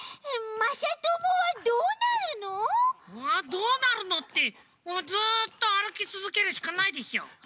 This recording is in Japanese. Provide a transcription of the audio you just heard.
どうなるのってずっとあるきつづけるしかないでしょ。